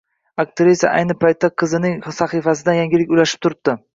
Aktrisa ayni paytda qizining sahifasidan yangiliklar ulashib turibdi